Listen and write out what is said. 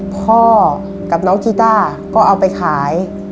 พ่อกับน้องกีต้าก็เอาไปขาย